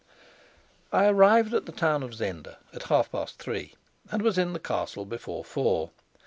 I arrived at the town of Zenda at half past three, and was in the castle before four.